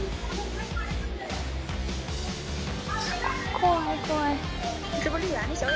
怖い怖い。